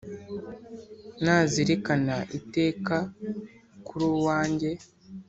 nazirikana iteka kur’uwunjye